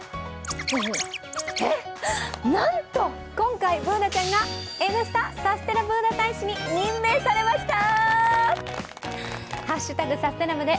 えっ、なんと、今回Ｂｏｏｎａちゃんが「Ｎスタ」Ｂｏｏｎａ大使に任命されました。